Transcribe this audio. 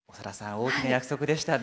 大きな約束でしたね。